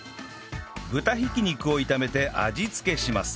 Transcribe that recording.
豚挽き肉を炒めて味付けします